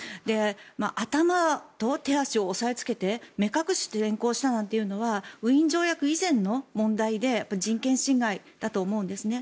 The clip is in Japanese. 頭と手足を押さえつけて目隠しして連行したなんていうのはウィーン条約以前の問題で人権侵害だと思うんですね。